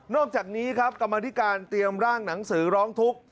อกจากนี้ครับกรรมธิการเตรียมร่างหนังสือร้องทุกข์